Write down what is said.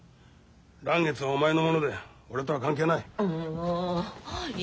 嵐月はお前のもので俺とは関係ない。